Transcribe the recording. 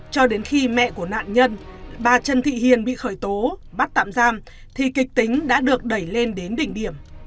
cho đến khi mẹ của nạn nhân bà trần thị hiền bị khởi tố bắt tạm giam thì kịch tính đã được đẩy lên đến đỉnh điểm